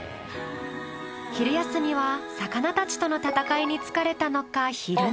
昼休みは魚たちとの戦いに疲れたのか昼寝。